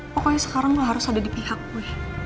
pokoknya sekarang gue harus ada di pihak gue